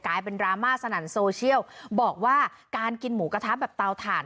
กลายเป็นดราม่าสนั่นโซเชียลบอกว่าการกินหมูกระทะแบบเตาถ่าน